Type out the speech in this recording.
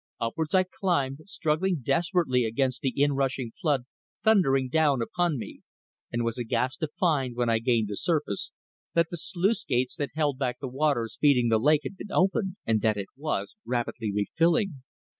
Upwards I climbed, struggling desperately against the inrushing flood thundering down upon me, and was aghast to find, when I gained the surface, that the sluice gates that held back the waters feeding the lake had been opened, and that it was rapidly refilling.